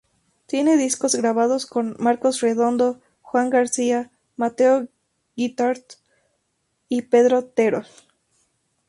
Tiene discos grabados con Marcos Redondo, Juan García, Mateo Guitart y Pedro Terol.